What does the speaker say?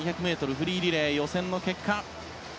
フリーリレー予選の結果です。